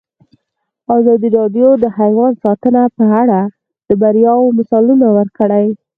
ازادي راډیو د حیوان ساتنه په اړه د بریاوو مثالونه ورکړي.